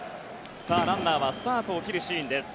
ランナーはスタートを切るシーン。